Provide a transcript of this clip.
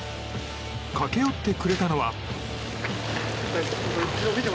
駆け寄ってくれたのは。